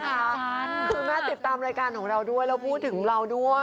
คือแม่ติดตามรายการของเราด้วยแล้วพูดถึงเราด้วย